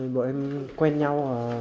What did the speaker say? bọn em quen nhau ở